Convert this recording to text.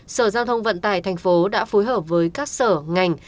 sở giao thông vận tải thành phố đã phối hợp với các sở ngành